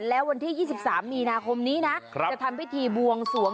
แล้ววันที่๓๓มีนาคมนี้ยังทำวิธีวงส่วน